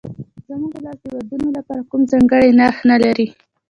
زموږ ولس د ودونو لپاره کوم ځانګړی نرخ نه لري.